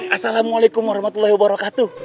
assalamualaikum warahmatullahi wabarakatuh